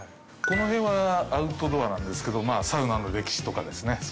この辺はアウトドアなんですけどサウナの歴史とかですね